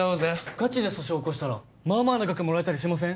ガチで訴訟起こしたらまあまあな額もらえたりしません？